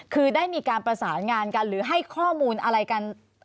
คือได้มีการประสานงานกันหรือให้ข้อมูลอะไรกัน